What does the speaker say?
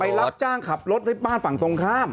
รับจ้างขับรถบ้านฝั่งตรงข้าม